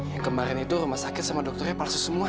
yang kemarin itu rumah sakit sama dokternya palsu semua